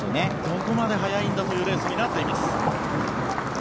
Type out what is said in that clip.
どこまで速いんだというレースになっています。